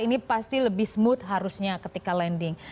ini pasti lebih smooth harusnya ketika landing